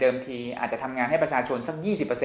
ทีอาจจะทำงานให้ประชาชนสัก๒๐